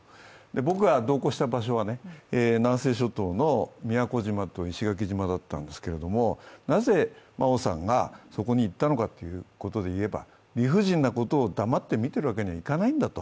僕が同行した場所は南西諸島の宮古島と石垣島だったんですけれども、なぜ真生さんがそこに行ったのかということでいえば理不尽なことを黙って見ているわけにはいかないんだと。